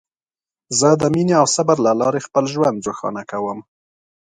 زه د مینې او صبر له لارې خپل ژوند روښانه کوم.